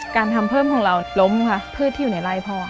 การทำเพิ่มของเราล้มค่ะพืชที่อยู่ในไร่พ่อ